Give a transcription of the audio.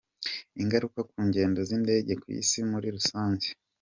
ingaruka ku ngendo z’indege ku isi muri rusange.